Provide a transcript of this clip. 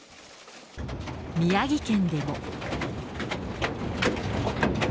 宮城県でも。